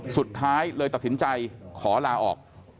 สุดท้ายเลยตัดสินใจขอลาออก